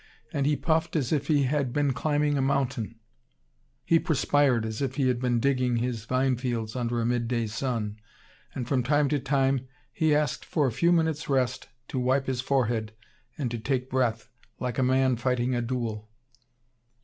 And he puffed as if he had been climbing a mountain; he perspired as if he had been digging his vine fields under a midday sun, and from time to time, he asked for a few minutes' rest to wipe his forehead and to take breath, like a man fighting a duel.